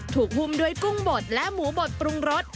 หุ้มด้วยกุ้งบดและหมูบดปรุงรส